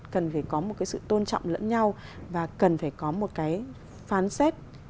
cần phải có một cái sự tôn trọng lẫn nhau và cần phải có một cái phán xét